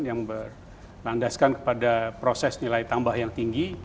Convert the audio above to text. yang berlandaskan kepada proses nilai tambah yang tinggi